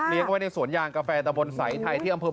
เรียกเข้าไปในสวนย่างกาแฟแต่บนสายไทยที่องค์เพิ่ม